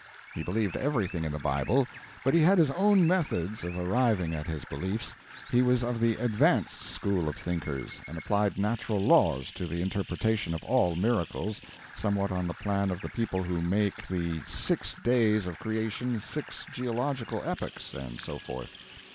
He believed everything in the Bible, but he had his own methods of arriving at his beliefs. He was of the 'advanced' school of thinkers, and applied natural laws to the interpretation of all miracles, somewhat on the plan of the people who make the six days of creation six geological epochs, and so forth.